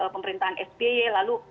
pemerintahan sby lalu